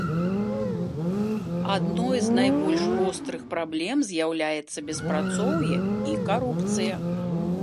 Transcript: Адной з найбольш вострых праблем з'яўляецца беспрацоўе і карупцыя.